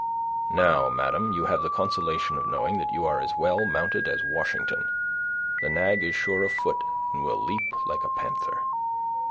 "Now, madam, you have the consolation of knowing that you are as well mounted as Washington. The nag is sure of foot, and will leap like a panther."